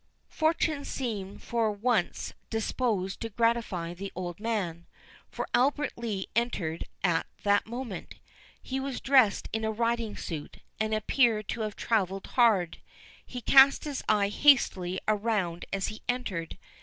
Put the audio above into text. Fortune seemed for once disposed to gratify the old man; for Albert Lee entered at that moment. He was dressed in a riding suit, and appeared to have travelled hard. He cast his eye hastily around as he entered.